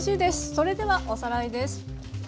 それではおさらいです。